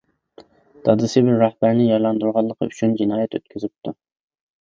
دادىسى بىر رەھبەرنى يارىلاندۇرغانلىقى ئۈچۈن جىنايەت ئۆتكۈزۈپتۇ.